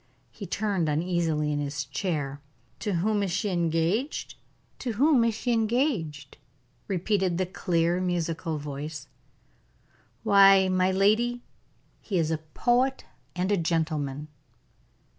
He turned uneasily in his chair. "To whom is she engaged?" repeated the clear, musical voice. "Why, my lady, he is a poet and a gentleman."